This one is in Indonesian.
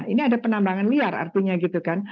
ini ada penambangan liar artinya gitu kan